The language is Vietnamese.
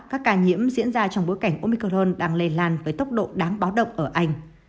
các ca nhiễm diễn ra trong bối cảnh omicron đang lây lan với tốc độ đáng báo động ở anh